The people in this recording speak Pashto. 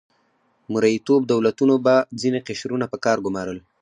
مرئیتوب دولتونو به ځینې قشرونه په کار ګمارل.